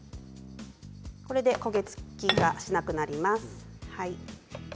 これで焦げ付きがしなくなります。